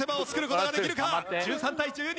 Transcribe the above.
１３対１２。